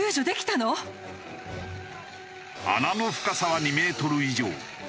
穴の深さは２メートル以上。